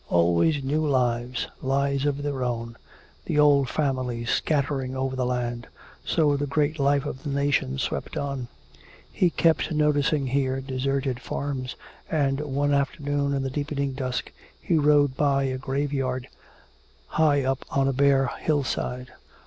Always new lives, lives of their own, the old families scattering over the land. So the great life of the nation swept on. He kept noticing here deserted farms, and one afternoon in the deepening dusk he rode by a graveyard high up on a bare hillside.